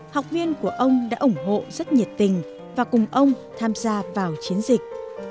học viên của ông đã ủng hộ rất nhiệt tình và cùng ông tham gia vào chiến dịch